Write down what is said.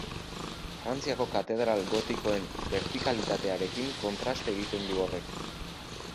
Frantziako katedral gotikoen bertikalitatearekin kontraste egiten du horrek.